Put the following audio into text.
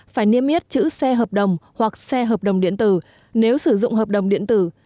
phải niêm yết chữ xe hợp đồng hoặc xe hợp đồng điện tử nếu sử dụng hợp đồng điện tử